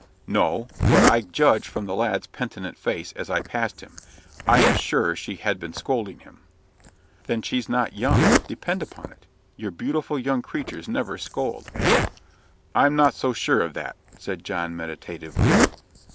"No; but I judge from the lad's penitent face as I passed him. I am sure she had been scolding him." "Then she's not young, depend upon it. Your beautiful young creatures never scold." "I'm not so sure of that," said John, meditatively.